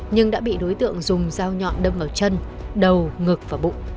nhưng đã bị đối tượng dùng dao nhọn đâm vào chân đầu ngực và bụng